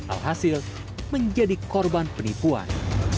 alhasil menjadi korban penipuan